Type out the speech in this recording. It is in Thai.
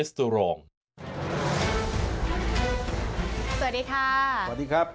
สวัสดีครับ